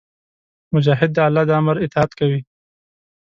مجاهد د الله د امر اطاعت کوي.